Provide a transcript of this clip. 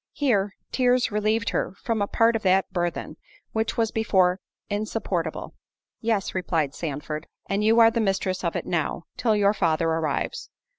Here tears relieved her from a part of that burthen, which was before insupportable. "Yes," replied Sandford, "and you are the mistress of it now, till your father arrives."